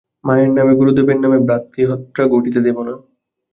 মায়ের নামে গুরুদেবের নামে ভ্রাতৃহত্যা ঘটিতে দিব না।